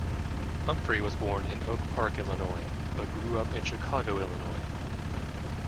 Humphrey was born in Oak Park, Illinois, but grew up in Chicago, Illinois.